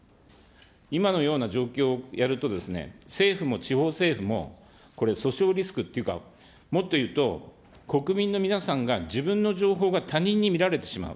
今のような状況をやると、政府も地方政府も、訴訟リスクっていうか、もっと言うと、国民の皆さんが自分の情報が他人に見られてしまう。